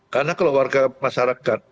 karena kalau warga masyarakat